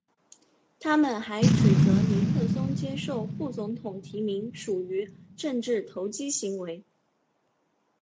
他们还指责尼克松接受副总统提名属于政治投机行为。